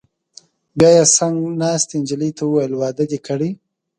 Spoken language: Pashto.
بیا یې څنګ ناستې نجلۍ ته وویل: واده دې کړی؟